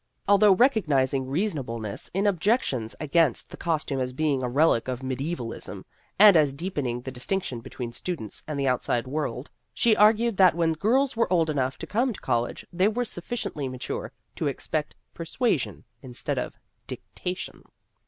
Although recognizing reasonableness in objections against the costume as being a relic of medievalism, and as deepening the distinction between students and the outside world, she argued that when girls were old enough to come to college they were sufficiently mature to expect persua sion instead of dictation.